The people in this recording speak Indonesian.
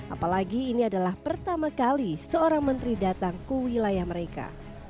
apalagi ini adalah pertama kali seorang menteri datang ke wilayah mereka